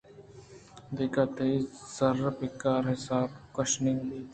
دگہ تئی زرّ ءُپگار ءِحساب گشّینگ بنت